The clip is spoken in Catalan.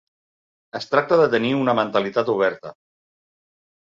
Es tracta de tenir una mentalitat oberta.